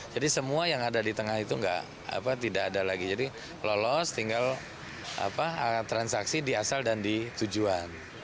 jadi semua yang ada di tengah itu tidak ada lagi jadi lolos tinggal transaksi di asal dan di tujuan